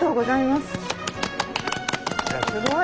すごい！